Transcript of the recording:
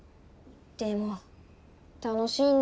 でも楽しいんだけどな。